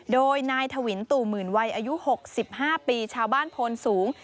โดยนายถวินตู่หมื่นวัยอายุ๖๕ปีชาวบ้านโพนสูง